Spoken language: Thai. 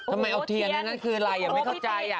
ทำไมเอาเทียนทั้งนั้นคืออะไรไม่เข้าใจ